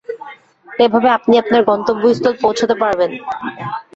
এভাবে আপনি আপনার গন্তব্যস্থল পৌঁছতে পারবেন।